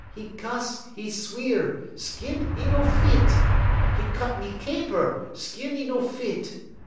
'E cuss, 'e sweer; skin 'e no fit. 'E cut 'e caper; skin 'e no fit.